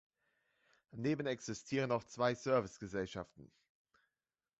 Daneben existieren noch zwei Servicegesellschaften.